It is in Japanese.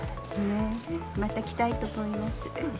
また来たいと思います。